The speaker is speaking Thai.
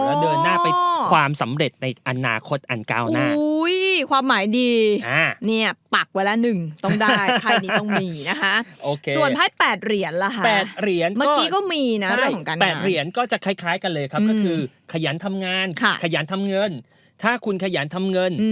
แล้วเดินหน้าไปเป็นความสำเร็จในอนาคตอันเก้าหน้า